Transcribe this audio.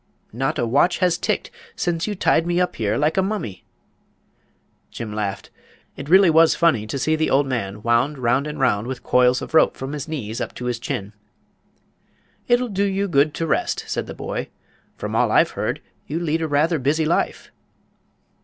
Not a watch has ticked since you tied me up here like a mummy!" Jim laughed. It really was funny to see the old man wound round and round with coils of rope from his knees up to his chin. "It'll do you good to rest," said the boy. "From all I've heard you lead a rather busy life."